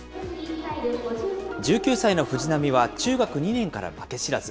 １９歳の藤波は中学２年から負け知らず。